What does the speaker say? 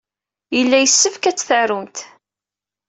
Yella yessefk ad t-tarumt.